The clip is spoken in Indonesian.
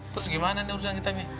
terus gimana nih urusan kita nih